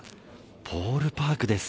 ボールパークです。